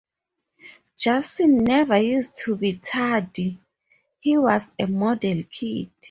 Jason never used to be tardy, he was the model kid